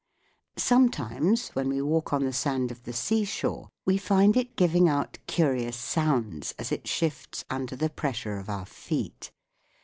Sometimes, when we walk on the sand of the sea shore we find it giving out curious sounds as it shifts under the pressure of our feet.